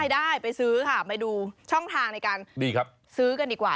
ได้ไปซื้อค่ะไปดูช่องทางในการซื้อกันดีกว่า